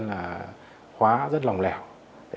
là khóa rất lòng lèo